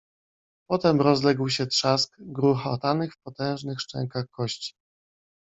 Potem rozległ się trzask gruchotanych w potężnych szczękach kości.